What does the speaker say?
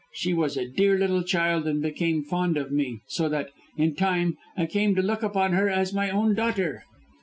She was a dear little child, and became fond of me, so that, in time, I came to look upon her as my own daughter."